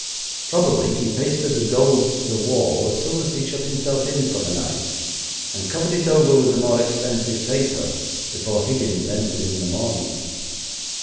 Probably he pasted the gold to the wall as soon as he shut himself in for the night, and covered it over with the more expensive paper before Higgins entered in the morning.'